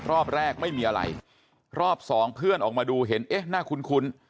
รอบแรกไม่มีอะไรรอบสองเพื่อนออกมาดูเห็นเอ๊ะน่าคุ้น